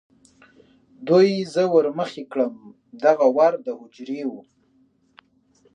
دوی زه ور مخې کړم، دغه ور د هوجرې و.